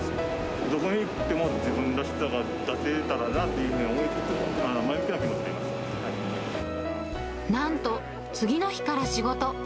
どこに行っても、自分らしさが出せたらなっていうふうに思って、なんと次の日から仕事。